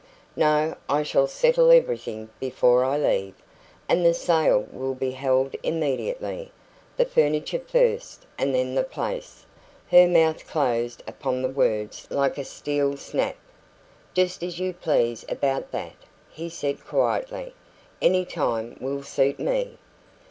"No. I shall settle everything before I leave, and the sale will be held immediately. The furniture first, and then the place." Her mouth closed upon the words like a steel snap. "Just as you please about that," he said quietly. "Any time will suit me."